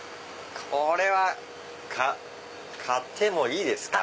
これは買ってもいいですか？